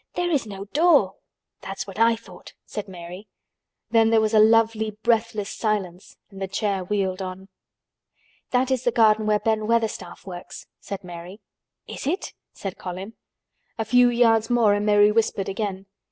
"There is no door." "That's what I thought," said Mary. Then there was a lovely breathless silence and the chair wheeled on. "That is the garden where Ben Weatherstaff works," said Mary. "Is it?" said Colin. A few yards more and Mary whispered again.